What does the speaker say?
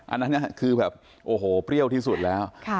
อันนั้นคือแบบโอ้โหเปรี้ยวที่สุดแล้ว